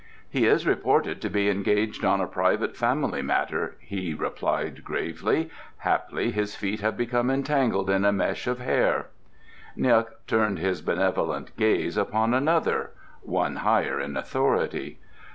"He is reported to be engaged on a private family matter," he replied gravely. "Haply his feet have become entangled in a mesh of hair." N'guk turned his benevolent gaze upon another one higher in authority.